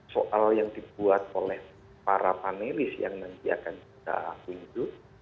soal yang dibuat oleh para panelis yang nanti akan kita tunjuk